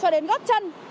đến góc chân